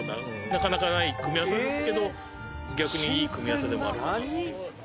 なかなかない組み合わせですけど逆にいい組み合わせでもあるかなっていう。